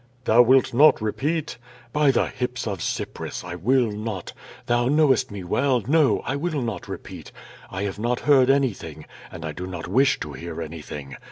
Thou wilt not repeat?" 'By the hips of Cypris, I will not I Th6u knowest me well; no, I will not repeat. I have not heard anything, and I do not wish to hear anything.